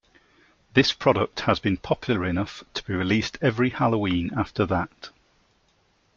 This product has been popular enough be released every Halloween after that.